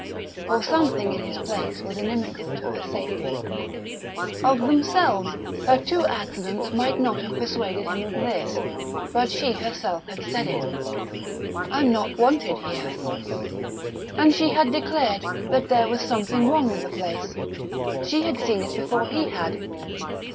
For something in his place was inimical to her safety. Of themselves, her two accidents might not have persuaded him of this; but she herself had said it. "I'm not wanted here..." And she had declared that there was something wrong with the place. She had seen it before he had.